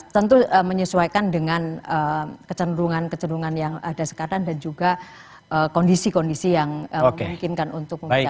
tentu menyesuaikan dengan kecenderungan kecenderungan yang ada sekarang dan juga kondisi kondisi yang memungkinkan untuk memberikan